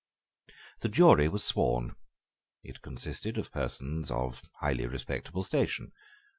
The jury was sworn; it consisted of persons of highly respectable station.